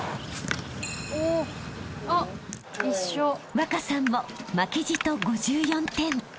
［稚さんも負けじと５４点］